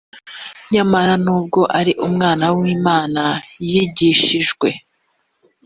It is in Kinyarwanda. nyamara nubwo ari umwana w imana yigishijwe